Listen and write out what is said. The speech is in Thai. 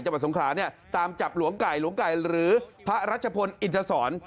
จังหวัดสงขราเนี่ยตามจับหลวงไก่หรือพระรัชพลอินทศร